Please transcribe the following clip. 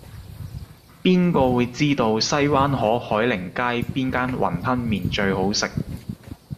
邊個會知道西灣河海寧街邊間雲吞麵最好食